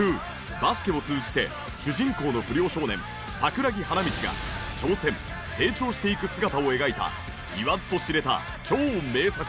バスケを通じて主人公の不良少年桜木花道が挑戦成長していく姿を描いた言わずと知れた超名作。